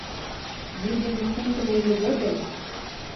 Вӱдын пучымыжо годым